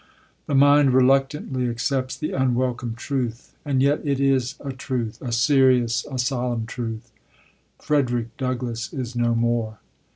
The mind reluctantly accepts the unwelcome truth. And yet it is a truth a serious, a solemn truth. Frederick Douglass is no more.